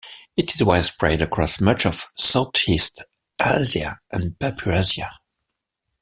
It is widespread across much of Southeast Asia and Papuasia.